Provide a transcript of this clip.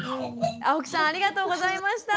青木さんありがとうございました。